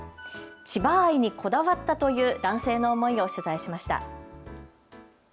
千葉愛にこだわったという男性の思いを取材しました。